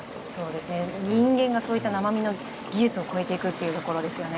人間がそういった生身の技術を超えていくということですね。